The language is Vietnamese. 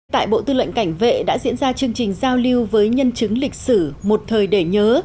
tại bộ tư lệnh cảnh vệ đã diễn ra chương trình giao lưu với nhân chứng lịch sử một thời để nhớ